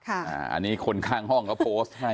อันนี้คนข้างห้องเขาโพสต์ให้